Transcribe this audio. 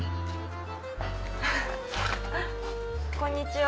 こんにちは。